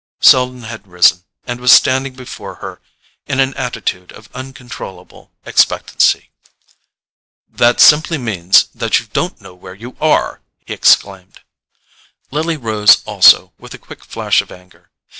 Selden had risen, and was standing before her in an attitude of uncontrollable expectancy. "That simply means that you don't know where you are!" he exclaimed. Lily rose also, with a quick flash of anger.